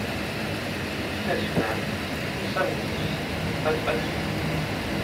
Les multinationales, nous le savons tous, n’ont pas de patrie.